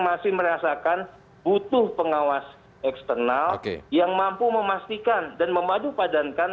masih merasakan butuh pengawas eksternal yang mampu memastikan dan memadupadankan